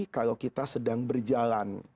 kalau kita sedang berjalan